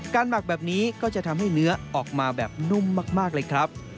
หมักแบบนี้ก็จะทำให้เนื้อออกมาแบบนุ่มมากเลยครับ